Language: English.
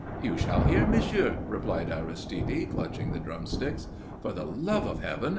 "You shall hear, monsieur," replied Aristide, clutching the drumsticks. "For the love of Heaven!"